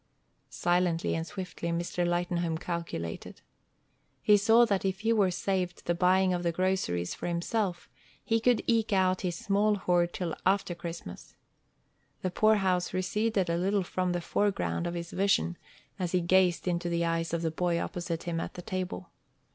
Silently and swiftly Mr. Lightenhome calculated. He saw that if he were saved the buying of the groceries for himself, he could eke out his small hoard till after Christmas. The poorhouse receded a little from the foreground of his vision as he gazed into the eyes of the boy opposite him at the table.